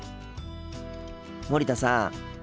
森田さん。